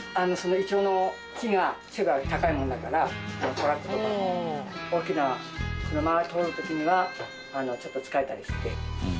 イチョウの木が背が高いもんだからトラックとか大きな車が通る時にはちょっとつかえたりして。